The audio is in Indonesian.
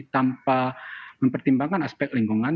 tanpa mempertimbangkan aspek lingkungan